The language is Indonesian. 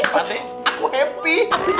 pak ade aku happy